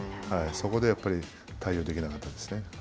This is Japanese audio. そこでやっぱり、対応できなかったですね。